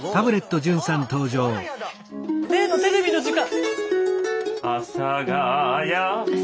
例のテレビの時間。